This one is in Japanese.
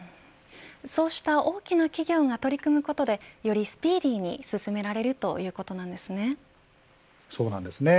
そうした大きな企業が取り組むことでよりスピーディーに進められるそうなんですね。